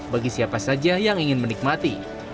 bagi siapa saja yang ingin menikmati